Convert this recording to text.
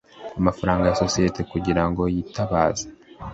amafaranga ya sosiyete kugira ngo yitabaze